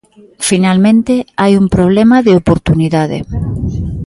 Finalmente, hai un problema de oportunidade.